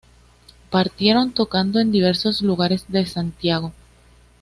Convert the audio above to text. Partieron tocando en diversos lugares de Santiago.